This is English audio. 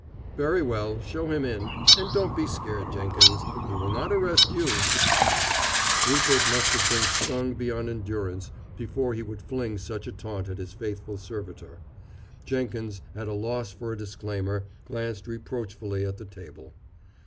"Very well, show him in; and don't be scared, Jenkins. He will not arrest you." Rupert must have been stung beyond endurance before he would fling such a taunt at his faithful servitor. Jenkins, at a loss for a disclaimer, glanced reproachfully at the table.